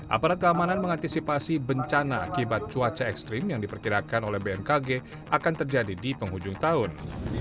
aparat keamanan mengantisipasi bencana akibat cuaca ekstrim yang diperkirakan oleh bmkg akan terjadi di penghujung tahun